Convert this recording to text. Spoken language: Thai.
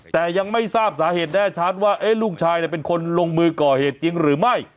แต่ยังไม่ทราบสาเหตุแน่ชัดว่าลูกชายเป็นคนลงมือก่อเหตุจริงหรือไม่